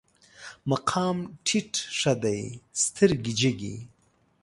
مقام ټيټ ښه دی، سترګې جګې